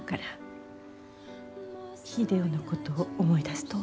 秀夫のことを思い出すと。